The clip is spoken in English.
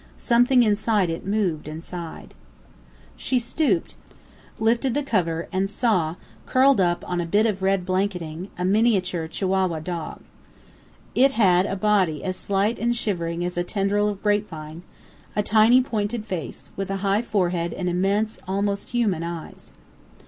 Something inside it moved and sighed. She stooped, lifted the cover, and saw, curled up on a bit of red blanketing, a miniature Chihuahua dog. It had a body as slight and shivering as a tendril of grapevine; a tiny pointed face, with a high forehead and immense, almost human eyes.